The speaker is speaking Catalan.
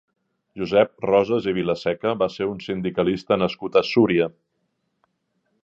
Josep Rosas i Vilaseca va ser un sindicalista nascut a Súria.